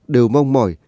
đều mong mỏi